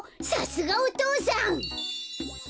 さすがお父さん！